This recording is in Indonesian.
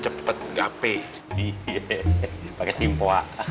gimana dibah aduh nasib lupa